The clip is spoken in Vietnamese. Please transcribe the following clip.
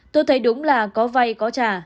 tôi thấy đúng là có vay có trả